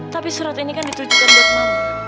tapi surat ini kan ditujukan buat mama